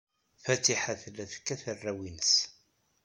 Fatiḥa tella tekkat arraw-nnes.